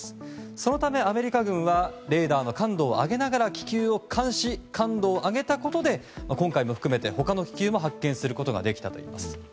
そのため、アメリカ軍はレーダーの感度を上げながら気球を監視、感度を上げたことで今回のを含めて他の気球も発見することができたといいます。